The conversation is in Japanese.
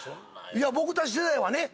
いや僕たち世代はね。